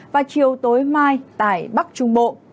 và chiều tối mai tại bắc trung bộ